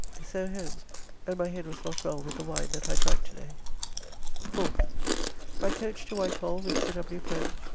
So home, and my head was not well with the wine that I drank to day. 4th. By coach to White Hall with Sir W. Pen.